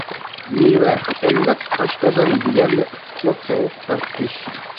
مېۋە : ئىللىق، ئاشقازان، جىگەرنى، ئىسسىقلاپ سوغۇق تارقىتىش.